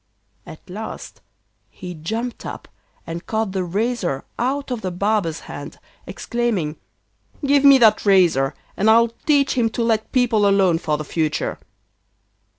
At last he jumped up, and caught the razor out of the barber's hand, exclaiming: 'Give me that razor, and I'll teach him to let people alone for the future.